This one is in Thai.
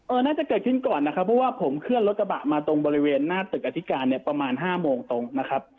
น่าจะเกิดขึ้นก่อนนะครับเพราะว่าผมเคลื่อนรถกระบะมาตรงบริเวณหน้าตึกอธิการเนี่ยประมาณห้าโมงตรงนะครับ